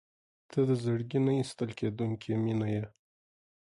• ته د زړګي نه ایستل کېدونکې مینه یې.